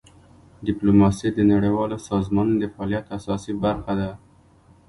ډیپلوماسي د نړیوالو سازمانونو د فعالیت اساسي برخه ده.